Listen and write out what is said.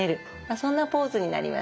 そんなポーズになります。